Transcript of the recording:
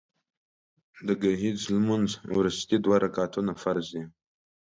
د ګهیځ لمونځ وروستي دوه رکعتونه فرض دي